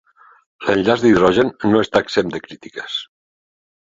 L'enllaç d'hidrogen no està exempt de crítiques.